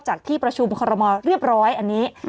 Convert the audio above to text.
จากที่ประชุมพรบเรียบร้อยอันนี้